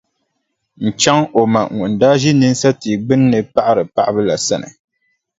N-chaŋ o ma ŋun daa ʒi nyimsa tia gbunni m-paɣiri paɣibu la sani.